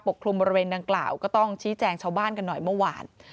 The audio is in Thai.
กลุ่มบริเวณดังกล่าวก็ต้องชี้แจงชาวบ้านกันหน่อยเมื่อวาน